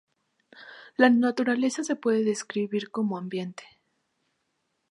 La naturaleza se puede describir como ambiente.